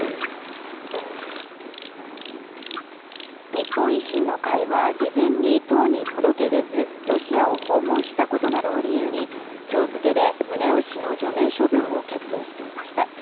日本維新の会は事前に党に届け出ずロシアを訪問したことなどを理由に今日付で、宗男氏の除名処分を決定していました。